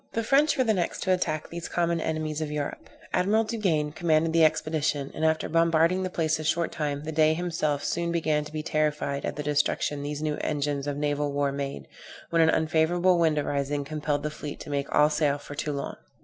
The French were the next to attack these common enemies of Europe. Admiral Duguesne commanded the expedition, and after bombarding the place a short time, the Dey himself soon began to be terrified at the destruction these new engines of naval war made, when an unfavorable wind arising, compelled the fleet to make all sail for Toulon.